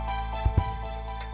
kamu yang nyobain